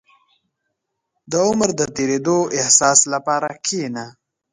• د عمر د تېرېدو احساس لپاره کښېنه.